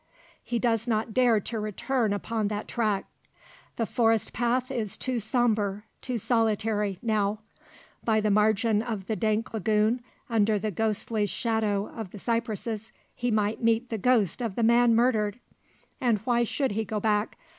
He does not dare to return upon that track. The forest path is too sombre, too solitary, now. By the margin of the dank lagoon, under the ghostly shadow of the cypresses, he might meet the ghost of the man murdered! And why should he go back?